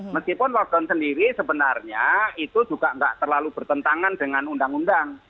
meskipun lockdown sendiri sebenarnya itu juga nggak terlalu bertentangan dengan undang undang